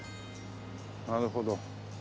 なるほど。